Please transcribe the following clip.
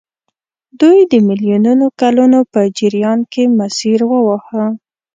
دوی د میلیونونو کلونو په جریان کې مسیر وواهه.